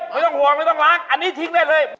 ไม่ต้องห่วงไม่ต้องล้างอันนี้ทิ้งได้เลย